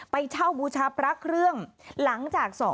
ไปเช่าบูชาพระเครื่อง